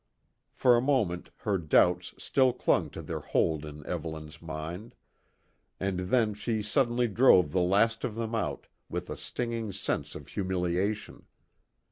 For a moment her doubts still clung to their hold in Evelyn's mind; and then she suddenly drove the last of them out, with a stinging sense of humiliation.